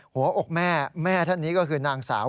หัวอกแม่แม่ท่านนี้ก็คือนางสาว